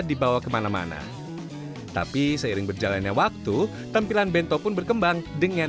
dibawa kemana mana tapi seiring berjalannya waktu tampilan bento pun berkembang dengan